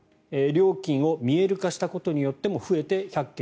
料金を見える化したことで増えて１００軒。